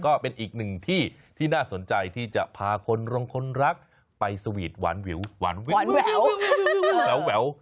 ก็เป็นอีกหนึ่งที่ที่น่าสนใจที่จะพาคนรองคนรักไปสวีทหวานแวว